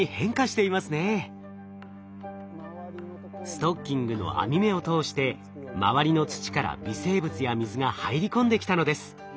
ストッキングの網目を通して周りの土から微生物や水が入り込んできたのです。